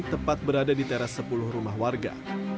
tepat berada di teras sepuluh rumah warga